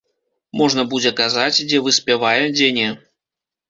Можна будзе казаць, дзе выспявае, дзе не.